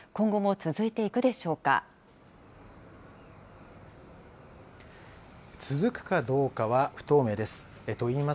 続くかどうかは不透明です。